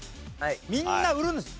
みんな売るんです。